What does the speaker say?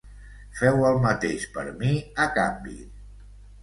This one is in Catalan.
Feu el mateix per mi a canvi.